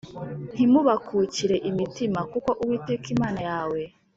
ntimubakukire imitima kuko Uwiteka Imana yawe